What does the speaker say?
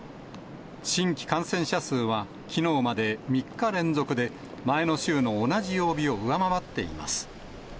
新規感染者数はきのうまで３日連続で、前の週の同じ曜日を上回っています。